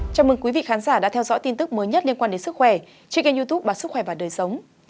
chào mừng quý vị khán giả đã theo dõi tin tức mới nhất liên quan đến sức khỏe trên kênh youtube báo sức khỏe và đời sống